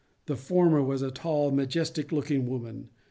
The former was a tall, majestic looking woman.